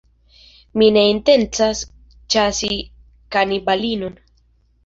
Mi ne intencas ĉasi kanibalinon.